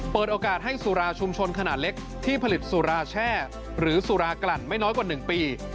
เปิดโอกาสให้สุราชุมชนขนาดเล็กที่ผลิตสุราแช่หรือสุรากลั่นไม่น้อยกว่า๑ปี